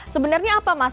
sebenarnya apa mas